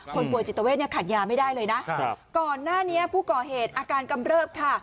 ป่วยจิตเวทเนี่ยขาดยาไม่ได้เลยนะครับก่อนหน้านี้ผู้ก่อเหตุอาการกำเริบค่ะ